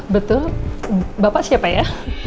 betul bapak siapa ya